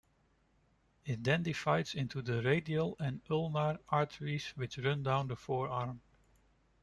It then divides into the radial and ulnar arteries which run down the forearm.